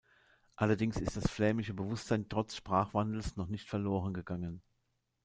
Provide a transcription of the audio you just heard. Allerdings ist das flämische Bewusstsein trotz Sprachwandels noch nicht verloren gegangen.